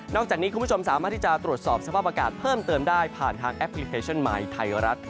จากนี้คุณผู้ชมสามารถที่จะตรวจสอบสภาพอากาศเพิ่มเติมได้ผ่านทางแอปพลิเคชันมายไทยรัฐ